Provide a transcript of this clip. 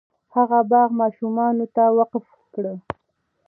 هغه باغ ماشومانو ته وقف کړ.